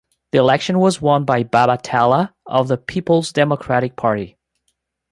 The election was won by Baba Tela of the Peoples Democratic Party.